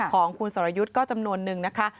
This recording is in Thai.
ของคุณสรยุทธ์ก็จำนวนนึงนะคะ